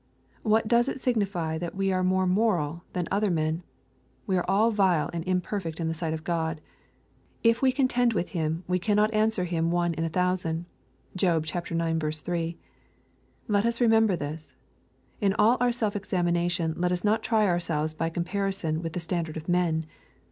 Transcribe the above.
What does it sig nify that we are more moral than " other men ?" We are all vile and imperfect in the sight of God. —'^ If wo contend with Him, we cannot answer him one in a thousand." (Job ix. 3.) Let us remember this. In all our self examination let us not try ourselves by compar ison with the standard of men.